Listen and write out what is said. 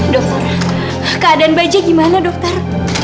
dokter keadaan baja gimana dokter